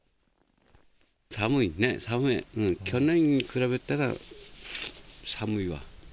寒いね、寒い、うん、去年に比べたら寒いわ。